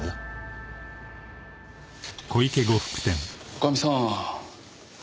女将さん